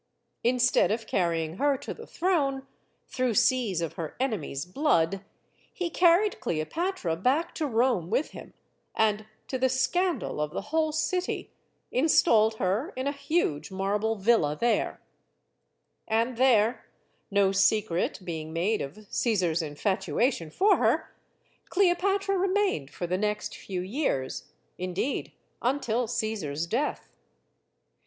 Instead of carrying her to the throne, through seas of her enemies* blood, he carried Cleopatra back to Rome with him and, to the scandal of the whole city, installed her in a huge marble villa there And there, no secret being made of Caesar's infatu ation for her, Cleopatra remained for the next few years; indeed, until Caesar's death.